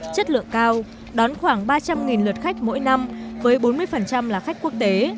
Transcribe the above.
chất lượng cao đón khoảng ba trăm linh lượt khách mỗi năm với bốn mươi là khách quốc tế